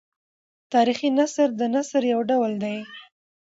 تاریخي نثر د نثر یو ډول دﺉ.